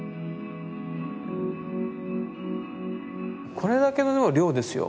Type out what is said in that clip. これだけの量ですよ。